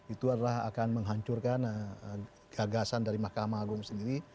itu adalah akan menghancurkan gagasan dari mahkamah agung sendiri